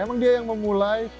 emang dia yang memulai